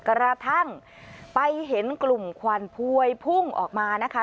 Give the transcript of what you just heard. กระทั่งไปเห็นกลุ่มควันพวยพุ่งออกมานะคะ